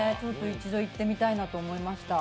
一度行ってみたいなと思いました。